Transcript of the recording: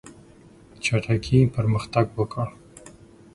چټکي پرمختګ وکړ.